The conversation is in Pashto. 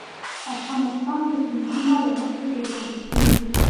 افغانستان د سیندونه له مخې پېژندل کېږي.